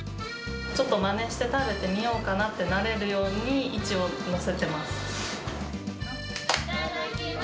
ちょっとまねして食べてみようかなってなれるように、一応、いただきます。